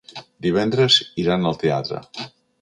Divendres iran al teatre.